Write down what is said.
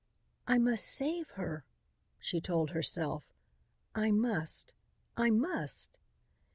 "I must save her," she told herself. "I must. I must!"